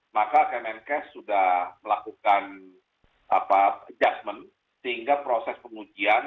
maka kemenkes sudah melakukan adjustment sehingga proses pengujian